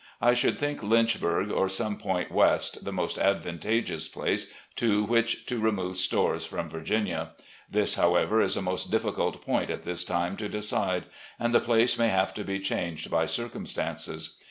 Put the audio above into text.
I should think Lynchburg, or some point west, the most advantageous place to which to remove stores from Richmond. This, however, is a most difficult point at this time to decide, and the place may have to be changed by circumstances.